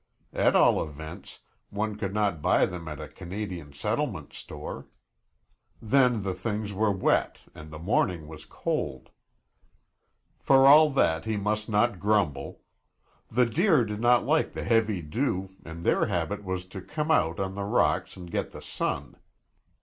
At all events, one could not buy them at a Canadian settlement store. Then the things were wet and the morning was cold. For all that, he must not grumble. The deer did not like the heavy dew and their habit was to come out on the rocks and get the sun.